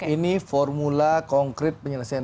ini formula konkret penyelesaian